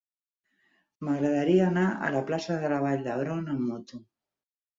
M'agradaria anar a la plaça de la Vall d'Hebron amb moto.